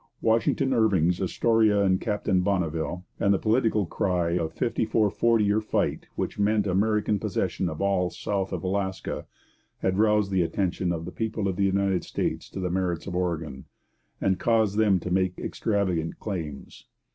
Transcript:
Washington Irving's Astoria and Captain Bonneville, and the political cry of 'Fifty four forty or fight' which meant American possession of all south of Alaska had roused the attention of the people of the United States to the merits of Oregon, and caused them to make extravagant claims.